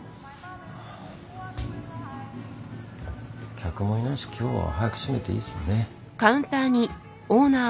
客もいないし今日は早く閉めていいっすかね？